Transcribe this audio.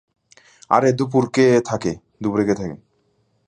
আরে, দুপুরে কে থাকে।